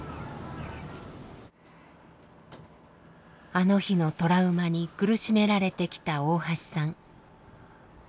あの日のトラウマに苦しめられてきた大橋さん。